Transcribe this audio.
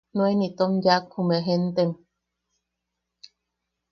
Nuen itom yaak jume jentem.